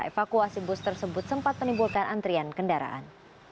evakuasi bus tersebut sempat menimbulkan antrian kendaraan